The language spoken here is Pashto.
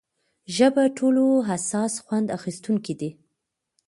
ژبه ټولو حساس خوند اخیستونکې ده.